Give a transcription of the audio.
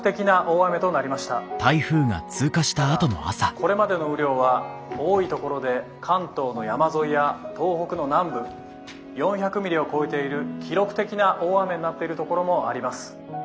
ただこれまでの雨量は多い所で関東の山沿いや東北の南部４００ミリを超えている記録的な大雨になっている所もあります」。